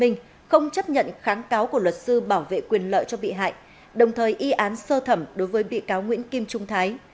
hội đồng xét xử cấp phúc thẩm tòa án nhân dân cấp cao tại tp hcm không chấp nhận kháng cáo của luật sư bảo vệ quyền lợi cho bị hại đồng thời y án sơ thẩm đối với bị cáo nguyễn kim trung thái